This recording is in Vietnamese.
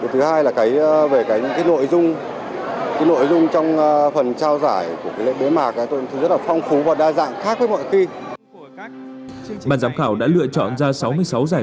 thứ hai là về cái nội dung trong phần trao giải của lệnh bế mạc tôi thấy rất là phong phú và đa dạng khác với mọi khi